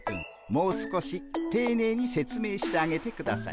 もう少していねいに説明してあげてください。